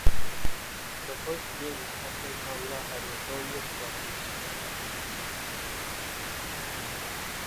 The first games of the genre had notorious problems.